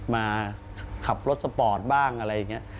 มาขับรถสปอร์ตบ้างอะไรอย่างนี้